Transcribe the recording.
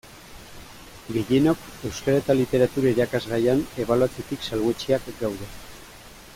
Gehienok Euskara eta Literatura irakasgaian ebaluatzetik salbuetsiak gaude.